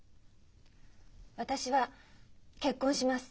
私は結婚します。